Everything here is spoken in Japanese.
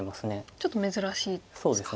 ちょっと珍しいですか。